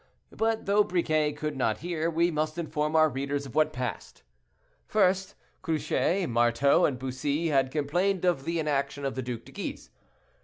But though Briquet could not hear, we must inform our readers of what passed. First, Cruce, Marteau, and Bussy had complained of the inaction of the Duc de Guise.